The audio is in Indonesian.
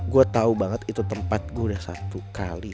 gue tau banget itu tempat gue udah satu kali